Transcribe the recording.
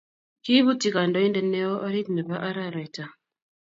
Kiiputyi kandoindet neo orit nebo araraita